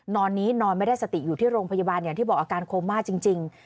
ตอนนี้นอนไม่ได้สติอยู่ที่โรงพยาบาลอย่างที่บอกอาการโคม่าจริง